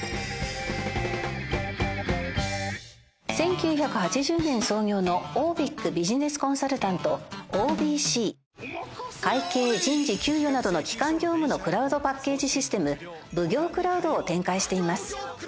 １９８０年創業のオービックビジネスコンサルタント ＯＢＣ会計・人事・給与などの基幹業務のクラウドパッケージシステム奉行クラウドを展開しています